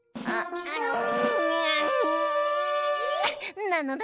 ん！なのだ！